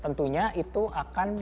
tentunya itu akan berhasil